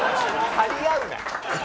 張り合うな！